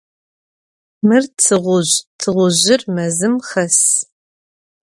Mır tığuzj, tığuzjır mezım xes.